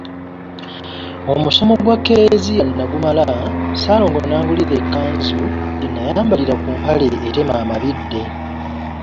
Omusomo gwa Klezia nagumala Ssaalongo n’angulira ekkanzu gye nnayambalira ku mpale etema amabidde.